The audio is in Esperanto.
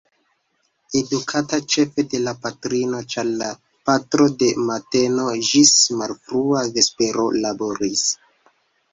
Edukata ĉefe de la patrino, ĉar la patro de mateno ĝis malfrua vespero laboris.